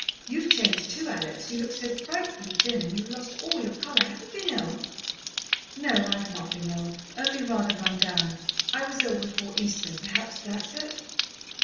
"You've changed, too, Alex. You look so frightfully thin, and you've lost all your colour. Have you been ill?" "No, I've not been ill. Only rather run down. I was ill before Easter perhaps that's it."